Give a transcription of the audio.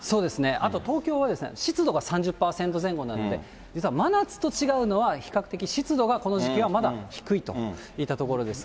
あと東京は湿度が３０％前後なので、実は真夏と違うのは比較的湿度がこの時期はまだ低いといったところです。